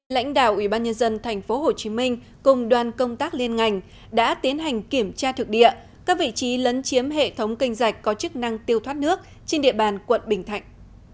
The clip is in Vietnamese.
lãnh đạo ubnd tp hcm cùng đoàn công tác liên ngành đã tiến hành kiểm tra thực địa các vị trí lấn chiếm hệ thống kênh dạch có chức năng tiêu thoát nước trên địa bàn quận bình thạnh